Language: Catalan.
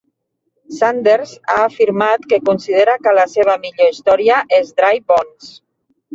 Sanders ha afirmat que considera que la seva millor història és "Dry Bones".